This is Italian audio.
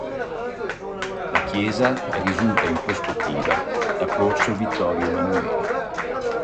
La chiesa risulta in prospettiva da corso Vittorio Emanuele.